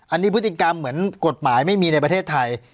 อันนี้พฤติกรรมเหมือนกฎหมายไม่มีในประเทศไทย